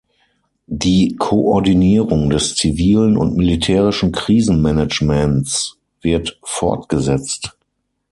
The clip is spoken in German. Die Koordinierung des zivilen und militärischen Krisenmanagements wird fortgesetzt.